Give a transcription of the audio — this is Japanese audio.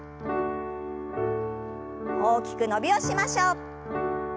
大きく伸びをしましょう。